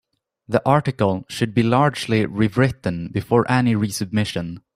The article should be largely rewritten before any resubmission.